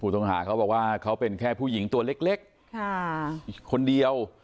ต้องหาเขาบอกว่าเขาเป็นแค่ผู้หญิงตัวเล็กคนเดียว